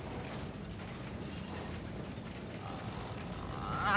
ああ！